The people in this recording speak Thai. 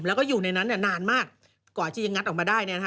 เขาอยู่ในนั้นเนี่ยนานมากกว่าจะยังงัดออกมาได้เนี่ยนะฮะ